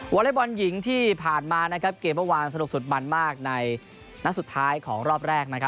วอเลศบอลหญิงที่ผ่านมาเกมเมื่อวานสนุกสุดมันมากในนักสุดท้ายของรอบแรก